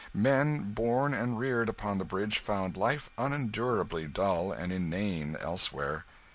Men born and reared upon the Bridge found life unendurably dull and inane elsewhere.